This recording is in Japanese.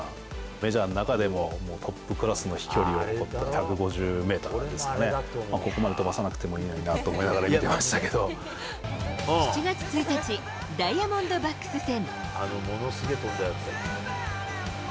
メジャーの中でももうトップクラスの飛距離を誇った、１５０メーターですかね、ここまで飛ばさなくてもいいのになと思いながら見７月１日、ダイヤモンドバックス戦。